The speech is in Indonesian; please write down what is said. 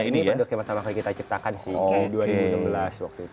iya ini produknya pertama kali kita diciptakan sih dua ribu enam belas waktu itu